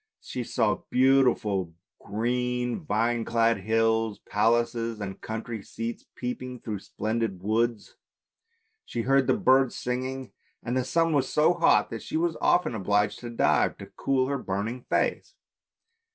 She saw beautiful green, vine clad hills; palaces and country seats peeping through splendid woods. She heard the birds singing, and the sun was so hot that she was often obliged to dive, to cool her burning face.